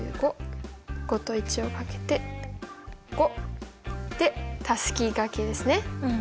５と１を掛けて５。でたすきがけですね。